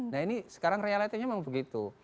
nah ini sekarang relatifnya memang begitu